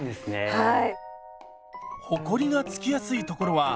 はい。